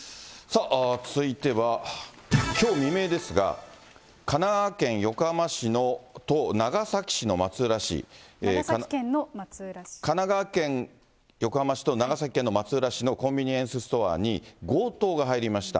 続いては、きょう未明ですが、神奈川県横浜市と長崎市のまつうらし。神奈川県横浜市と長崎県松浦市のコンビニエンスストアに強盗が入りました。